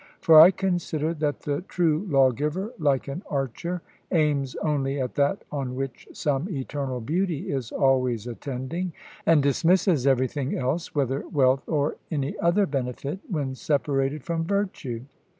For I consider that the true lawgiver, like an archer, aims only at that on which some eternal beauty is always attending, and dismisses everything else, whether wealth or any other benefit, when separated from virtue.